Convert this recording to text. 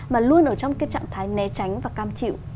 mà luôn ở trong cái trạng thái né tránh và cam chịu